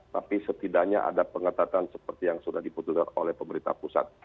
tapi setidaknya ada pengetatan seperti yang sudah diputuskan oleh pemerintah pusat